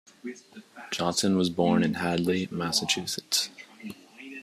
Johnson was born in Hadley, Massachusetts.